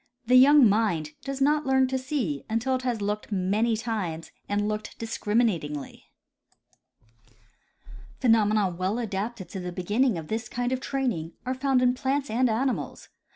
The young mind does not learn to see until it has looked many times and looked discriminatingly. Phenomena well adapted to the beginning of this kind of training are found in plants and animals.